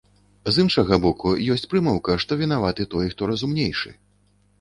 З іншага боку, ёсць прымаўка, што вінаваты той, хто разумнейшы.